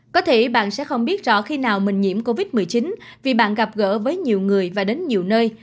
có thể bạn sẽ không biết rõ khi nào mình nhiễm covid một mươi chín vì bạn gặp gỡ với nhiều người và đến nhiều nơi